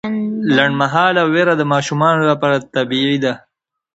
لنډمهاله ویره د ماشومانو لپاره طبیعي ده.